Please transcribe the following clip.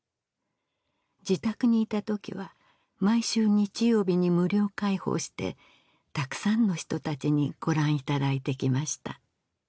自宅にいたときは毎週日曜日に無料開放してたくさんの人たちにご覧いただいてきました